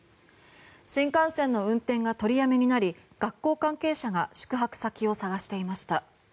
新幹線の運転が取りやめになり学校関係者が宿泊先を探していました。